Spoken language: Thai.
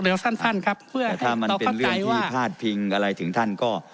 เดี๋ยวสั้นท่านครับเพื่อถ้ามันเป็นเรื่องที่พาดพิงอะไรถึงท่านก็